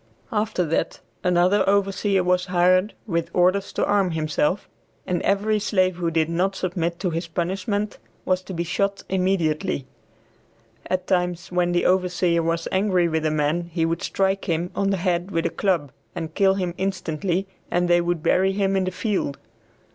After that another overseer was hired, with orders to arm himself, and every slave who did not submit to his punishment was to be shot immediately. At times, when the overseer was angry with a man he would strike him on the head with a club and kill him instantly, and they would bury him in the field.